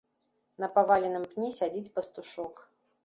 На паваленым пні сядзіць пастушок.